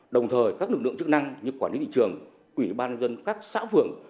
đồng thời các lực lượng chức năng như quản lý thị trường ủy ban dân các xã phường